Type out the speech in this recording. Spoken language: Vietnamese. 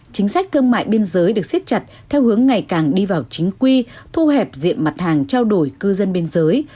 chính sách thương mại biên giới được xiết chặt theo hướng ngày càng đi vào chính quy thu hẹp diện mặt hàng trao đổi cư dân biên giới